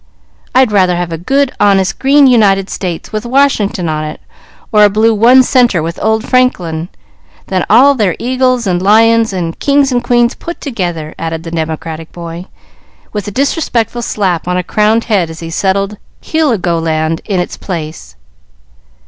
I'd rather have a good, honest green United States, with Washington on it, or a blue one center with old Franklin, than all their eagles and lions and kings and queens put together," added the democratic boy, with a disrespectful slap on a crowned head as he settled Heligoland in its place.